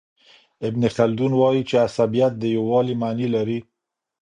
ابن خلدون وايي چي عصبیت د یووالي معنی لري.